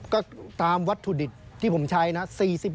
ก็ตามวัตถุดิบที่ผมใช้นะ